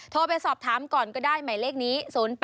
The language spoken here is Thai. โทรไปสอบถามก่อนก็ได้หมายเลขนี้๐๘